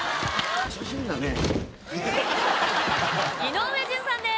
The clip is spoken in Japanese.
・井上順さんです